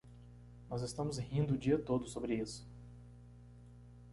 Nós estamos rindo o dia todo sobre isso.